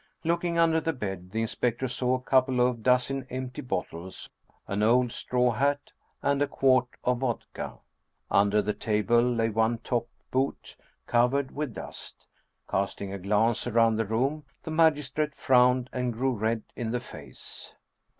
Looking under the bed, the inspector saw a couple of dozen empty bottles, an old straw hat, and a quart of vodka. Under the table lay one top boot, covered with dust. Casting a glance around the room, the magistrate frowned and grew red in the face.